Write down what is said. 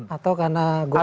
atau karena godaan